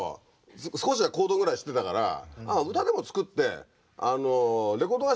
少しはコードぐらい知ってたから歌でも作ってレコード会社持ってこうと。